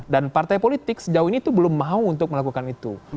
dan partai politik sejauh ini belum mau untuk melakukan itu